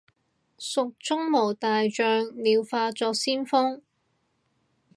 蜀中無大將，廖化作先鋒